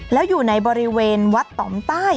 แล้วอยู่ในบริเวณวัดต่อมใต้